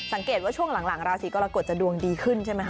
สังเกตว่าช่วงหลังราศีกรกฎจะดวงดีขึ้นใช่ไหมคะ